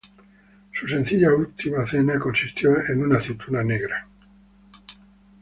Su sencilla última cena consistió en una aceituna negra.